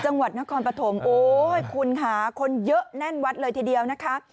จังหวัดนครปฐมโอ้ยคุณค่ะคนเยอะแน่นวัดเลยทีเดียวนะคะ